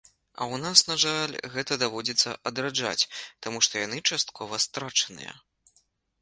А у нас, на жаль, гэта даводзіцца адраджаць, таму што яны часткова страчаныя.